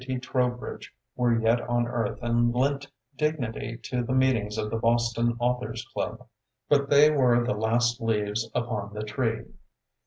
T. Trowbridge were yet on earth and lent dignity to the meetings of the Boston Authors' Club. But they were the last leaves upon the tree.